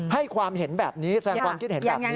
ให้ความเห็นแบบนี้แสงความคิดเห็นแบบนี้